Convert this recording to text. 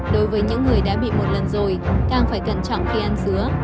đối với những người đã bị một lần rồi càng phải cẩn trọng khi ăn dứa